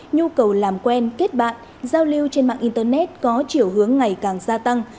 nhu cầu làm quen kết bạn giao lưu trên mạng internet có chiều hướng ngày càng gia tăng